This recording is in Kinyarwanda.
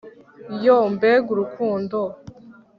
Yoo mbega urukundo